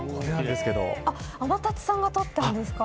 天達さんが撮ったんですか。